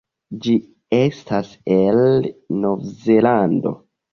Ĝi estas el Novzelando.